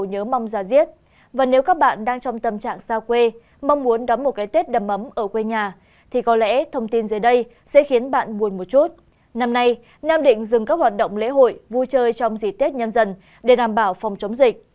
nam định dừng các hoạt động lễ hội vui chơi trong dịp tết nhân dân để đảm bảo phòng chống dịch